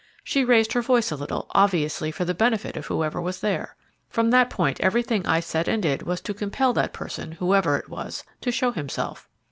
She raised her voice a little, obviously for the benefit of whoever was there. From that point everything I said and did was to compel that person, whoever it was, to show himself."